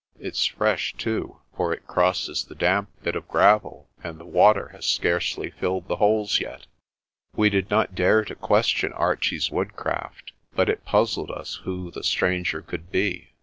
It's fresh, too, for it crosses the damp bit of gravel, and the water has scarcely filled the holes yet." We did not dare to question Archie's woodcraft, but it puzzled us who the stranger could be.